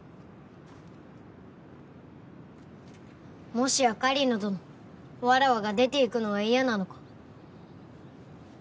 もしや狩野どのわらわが出ていくのが嫌なのか？